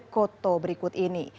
kota berikut ini